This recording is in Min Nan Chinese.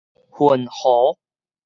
雲和